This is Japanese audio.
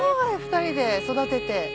２人で育てて。